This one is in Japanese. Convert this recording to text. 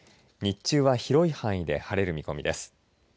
日中は広い範囲で晴れる見込みです。